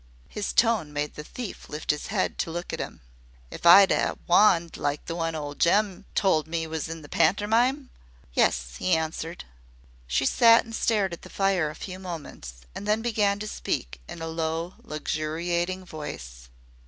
His tone made the thief lift his head to look at him. "If I 'ad a wand like the one Jem told me was in the pantermine?" "Yes," he answered. She sat and stared at the fire a few moments, and then began to speak in a low luxuriating voice.